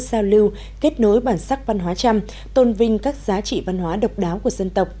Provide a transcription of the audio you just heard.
giao lưu kết nối bản sắc văn hóa trăm tôn vinh các giá trị văn hóa độc đáo của dân tộc